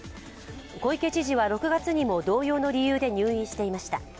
小池知事は６月にも同様の理由で入院していました。